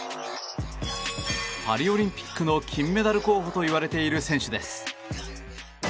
パリオリンピックの金メダル候補といわれている選手です。